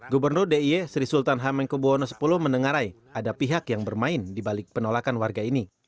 gubernur d i e sri sultan hamengkubwono x mendengarai ada pihak yang bermain di balik penolakan warga ini